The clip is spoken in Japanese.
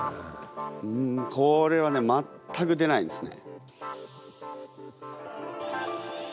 うんこれはね全く出ないですね。